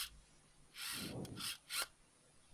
Es un álbum producido por el escritor J. M. Caballero Bonald.